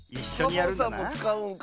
サボさんもつかうんか。